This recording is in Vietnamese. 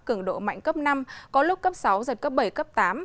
cường độ mạnh cấp năm có lúc cấp sáu giật cấp bảy cấp tám